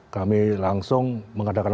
kami langsung mengadakan penelitian